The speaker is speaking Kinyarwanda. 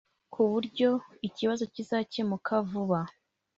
ku buryo ikibazo kizakemuka vuba